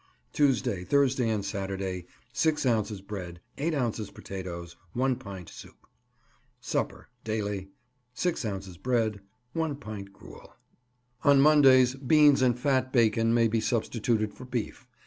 Tuesday, Thursday and Saturday 6 ounces bread, 8 ounces potatoes, 1 pint soup. Supper Daily 6 ounces bread, 1 pint gruel. On Mondays beans and fat bacon may be substituted for beef.